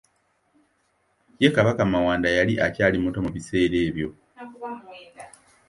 Ye Kabaka Mawanda yali akyali muto mu biseera ebyo.